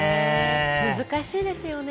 難しいですよね。